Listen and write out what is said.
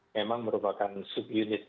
memang merupakan sub unit